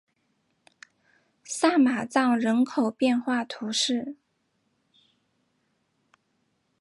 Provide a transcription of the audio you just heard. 萨马藏人口变化图示